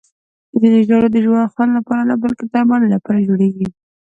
ځینې ژاولې د خوند لپاره نه، بلکې د درملنې لپاره جوړېږي.